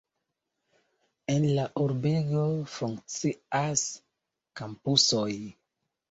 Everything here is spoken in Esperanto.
En la urbego funkcias kampusoj.